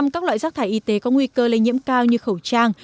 một trăm linh các loại rác thải y tế có nguy cơ lây nhiễm cao như khẩu trang